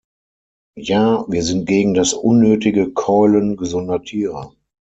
Ja, wir sind gegen das unnötige Keulen gesunder Tiere.